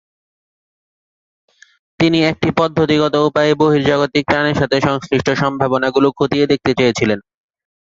তিনি একটি পদ্ধতিগত উপায়ে বহির্জাগতিক প্রাণের সাথে সংশ্লিষ্ট সম্ভাবনা গুলো খতিয়ে দেখতে চেয়েছিলেন।